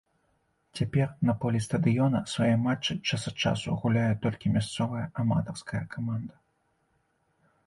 Цяпер на полі стадыёна свае матчы час ад часу гуляе толькі мясцовая аматарская каманда.